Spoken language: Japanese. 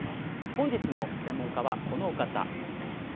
本日の専門家はこのお方。